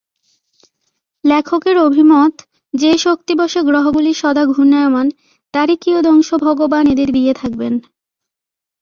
লেখকের অভিমত, যে শক্তিবশে গ্রহগুলি সদা ঘূর্ণায়মান তারই কিয়দংশ ভগবান এদের দিয়ে থাকবেন।